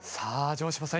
城島さん